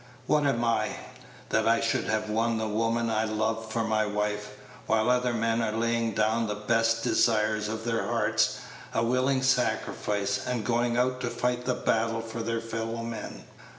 What am I, that I should have won the woman I love for my wife, while other men are laying down the best desires of their hearts a willing sacrifice, and going out to fight the battle for their fellow men?